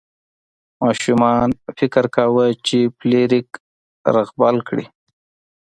ماشومان فکر کاوه چې فلیریک رغبل کړي.